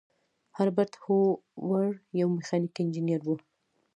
هربرت هوور یو میخانیکي انجینر و.